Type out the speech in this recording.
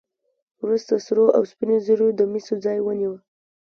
وروسته سرو او سپینو زرو د مسو ځای ونیو.